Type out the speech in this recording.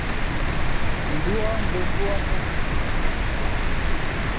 Ndū á mbᾱ mbú á mά nkwe ya nu.